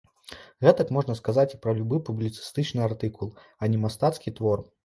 Гэтак можна сказаць і пра любы публіцыстычны артыкул, а не мастацкі твор.